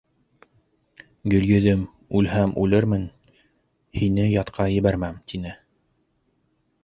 — Гөлйөҙөм, үлһәм үлермен, һине ятҡа ебәрмәм, — тине.